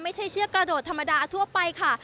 ไม่ใช่เชื่อกระโดดธรรมดาทั่วไปค่ะ